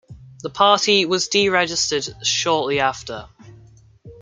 The party was de-registered shortly after.